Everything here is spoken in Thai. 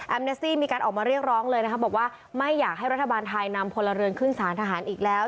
เมซี่มีการออกมาเรียกร้องเลยนะคะบอกว่าไม่อยากให้รัฐบาลไทยนำพลเรือนขึ้นสารทหารอีกแล้ว